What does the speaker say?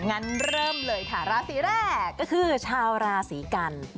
งั้นเริ่มเลยค่ะราศีแรกก็คือชาวราศีกัน